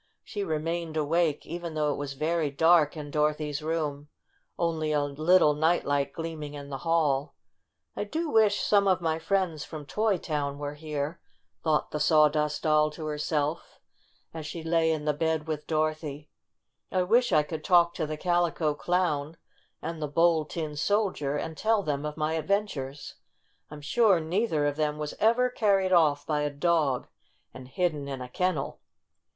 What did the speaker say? She remained awake, even though it was very dark in Doro thy's room, only a little night light gleam ing in the hall. "I do wish some of my friends from Toy Town were here," thought the Saw dust Doll to herself, as she lay in the bed IN THE RAG BAG 79 with Dorothy. 4 ' I wish I could talk to the Calico Clown and the Bold Tin Soldier, and tell them of my adventures. I'm sure neither of them was ever carried off by a dog and hidden in a kennel.